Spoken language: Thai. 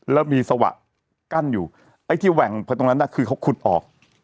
แล้วมีสวะกั้นอยู่ไอ้ที่แหว่งไปตรงนั้นน่ะคือเขาขุดออก